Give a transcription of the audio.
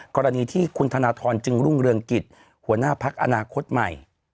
กรณีที่คุณธนทรจึงรุ่งเรืองกิจหัวหน้าพักอนาคตใหม่